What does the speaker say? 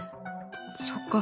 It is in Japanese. そっか。